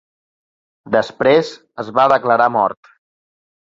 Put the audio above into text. Després es va declarar mort.